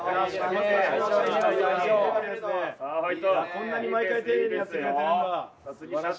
こんなに毎回丁寧にやってくれてるんだ。